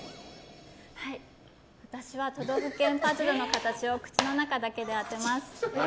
私は都道府県パズルの形を口の中だけで当てます。